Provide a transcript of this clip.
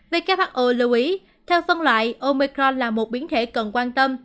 who lưu ý theo phân loại omecron là một biến thể cần quan tâm